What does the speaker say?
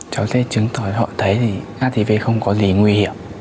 cháu sẽ chứng tỏ họ thấy thì hiv không có gì nguy hiểm